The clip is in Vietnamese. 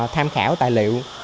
tham khảo tài liệu